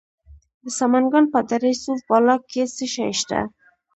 د سمنګان په دره صوف بالا کې څه شی شته؟